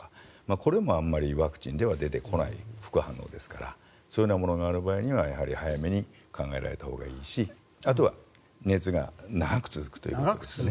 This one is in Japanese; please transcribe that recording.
これも、ワクチンではあまり出てこない副反応ですからそういうようなものがある場合には早めに考えられたほうがいいしあとは、熱が長く続く。